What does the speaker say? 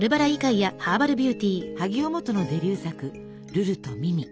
萩尾望都のデビュー作「ルルとミミ」。